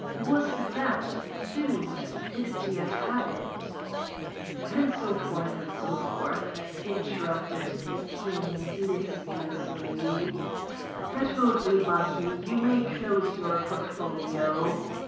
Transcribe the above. Was that, too, stupidity and habit? "And so forth, and so forth/' interrupted the king listlessly: "that will do, Marquis, you may close your portfolio.